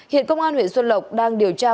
hiện công an huyện xuân lộc đang điều tra